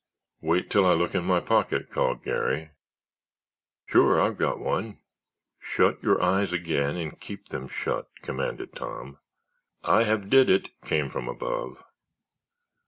"Wait till I look in my pocket," called Garry. "Sure, I've got one." "Shut your eyes again and keep them shut," commanded Tom. "I have did it," came from above.